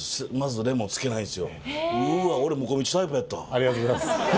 ありがとうございます。